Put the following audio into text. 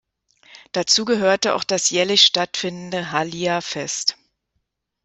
Dazu gehörte auch das jährlich stattfindende Halia-Fest.